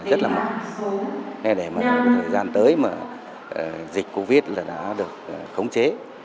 rất là mỏng để thời gian tới mà dịch covid đã được khống chế